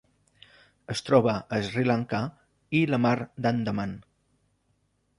Es troba a Sri Lanka i la Mar d'Andaman.